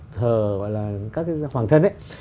thờ các hoàng thân ấy